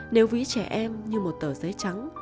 nếu ví trẻ em như một tờ giấy trắng